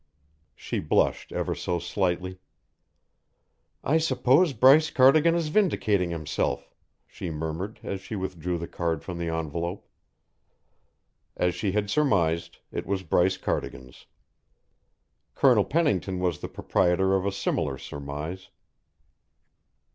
She blushed ever so slightly. "I suppose Bryce Cardigan is vindicating himself," she murmured as she withdrew the card from the envelope. As she had surmised, it was Bryce Cardigan's. Colonel Pennington was the proprietor of a similar surmise.